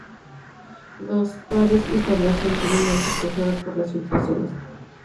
Los pares y tablazón tienen manchas causadas por las filtraciones.